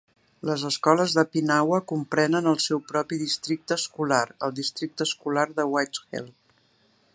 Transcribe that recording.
Les escoles de Pinawa comprenen el seu propi districte escolar, el Districte Escolar de Whiteshell.